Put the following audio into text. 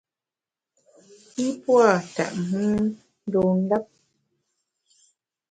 I pua’ tètmu ndun ndap.